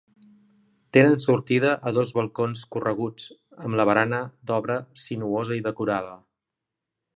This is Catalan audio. Tenen sortida a dos balcons correguts, amb la barana d'obra sinuosa i decorada.